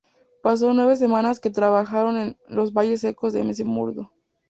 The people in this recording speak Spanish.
Pasó nueve semanas que trabajando en los Valles Secos de McMurdo.